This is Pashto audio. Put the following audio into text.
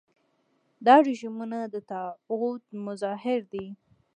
دا رژیمونه د طاغوت مظاهر دي.